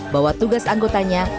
bahwa tugas anggotanya